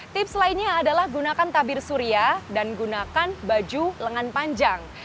tips lainnya adalah gunakan tabir surya dan gunakan baju lengan panjang